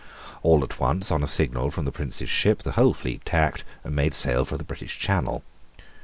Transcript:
All at once, on a signal from the Prince's ship, the whole fleet tacked, and made sail for the British Channel.